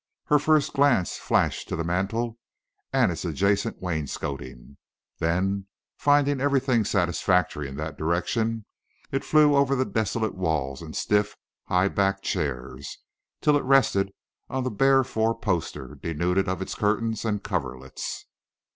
Her first glance flashed to the mantel and its adjacent wainscoting; then, finding everything satisfactory in that direction, it flew over the desolate walls and stiff, high backed chairs, till it rested on the bare four poster, denuded of its curtains and coverlets.